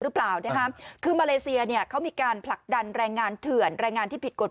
หรือเปล่านะฮะคือมาเลเซียเนี่ยเขามีการผลักดันแรงงานเถื่อนแรงงานที่ผิดกฎ